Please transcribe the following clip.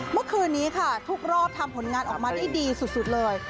เมื่อคืนนี้ค่ะทุกรอบทำผลงานออกมาได้ดีสุดเลย